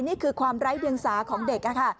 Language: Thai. นี่คือความไร้เดียงสาของเด็ก